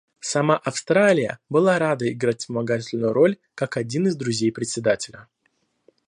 Сама Австралия была рада играть вспомогательную роль как один из друзей Председателя.